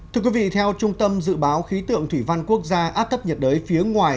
thưa quý vị theo trung tâm dự báo khí tượng thủy văn quốc gia áp thấp nhiệt đới phía ngoài